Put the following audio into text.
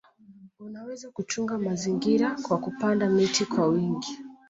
Unaweza kutunza mazingira kwa kupanda miti kwa wingi